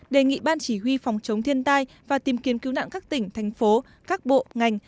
đề nghị ban chỉ huy phòng chống thiên tai và tìm kiếm cứu nạn các tỉnh thành phố các bộ ngành